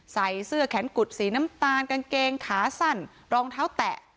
ใส่เสื้อแขนกุดสีน้ำตาลกางเกงขาสั้นรองเท้าแตะ